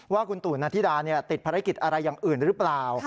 ว่าคุณตู่นนาธิดาติดภารกิจอะไรอย่างอื่นหรือเปล่า